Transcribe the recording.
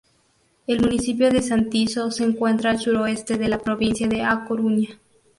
El municipio de Santiso se encuentra al sureste de la provincia de A Coruña.